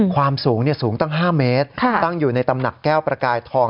ความสูงสูงตั้ง๕เมตรตั้งอยู่ในตำหนักแก้วประกายทอง